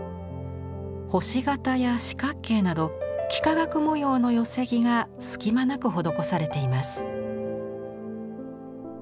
星形や四角形など幾何学模様の寄木が隙間なく施されています。